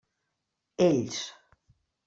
Ells.